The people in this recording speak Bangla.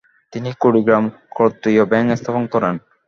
তিনি কুড়িগ্রামে ক্ষত্রিয় ব্যাংক স্থাপন করেন।